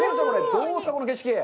どうした、この景色！？